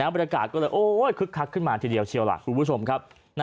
บริษัทก็เลยคึกคักขึ้นมาทีเดียวเชียวหลักทุกผู้ชมครับ